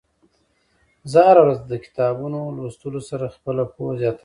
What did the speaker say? زه هره ورځ د کتابونو لوستلو سره خپله پوهه زياتوم.